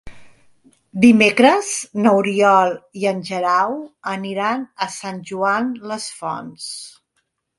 Dimecres n'Oriol i en Guerau aniran a Sant Joan les Fonts.